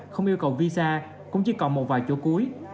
không yêu cầu visa cũng chỉ còn một vài chỗ cuối